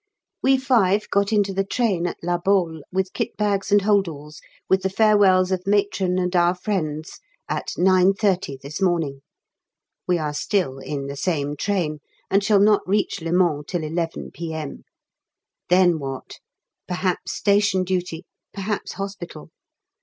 _ We five got into the train at La Baule with kit bags and holdalls, with the farewells of Matron and our friends, at 9.30 this morning. We are still in the same train, and shall not reach Le Mans till 11 P.M. Then what? Perhaps Station Duty, perhaps Hospital.